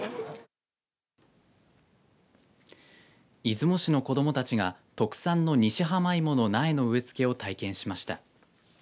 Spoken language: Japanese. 出雲市の子どもたちが特産の西浜いもの苗の植え付けを体験しました。